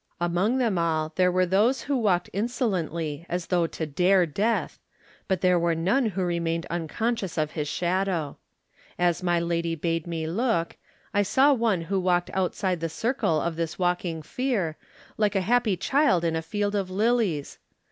Among them all there were those who walked insolently as though to dare Death, but there were none who remained uncon scious of his shadow. As my lady bade me look, I saw one who walked outside the circle of this walking fear like a happy child in a field of lilies.